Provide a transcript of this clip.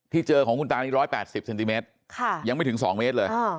เจอของคุณตานี่๑๘๐เซนติเมตรยังไม่ถึง๒เมตรเลย